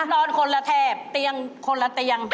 นอนคนละแถบเตียงคนละเตียง